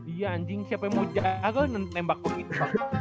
iya anjing siapa yang mau jaga lu yang nembak kok gitu